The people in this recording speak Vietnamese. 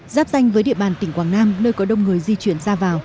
giáp danh với địa bàn tỉnh quảng nam nơi có đông người di chuyển ra vào